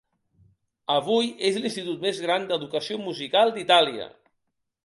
Avui és l'institut més gran d'educació musical d'Itàlia.